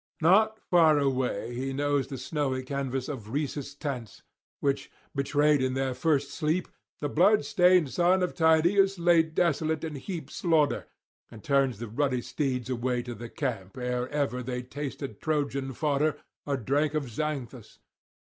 Not far away he knows the snowy canvas of Rhesus' tents, which, betrayed in their first sleep, the blood stained son of Tydeus laid desolate in heaped slaughter, and turns the ruddy steeds away to the camp ere ever they tasted Trojan fodder or drunk of Xanthus.